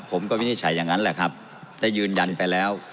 วินิจฉัยอย่างนั้นแหละครับได้ยืนยันไปแล้ว